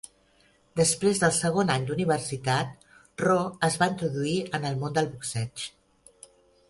Després del segon any d'universitat, Ro es va introduir en el món del boxeig.